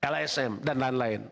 lsm dan lain lain